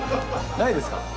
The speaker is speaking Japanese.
ないですか？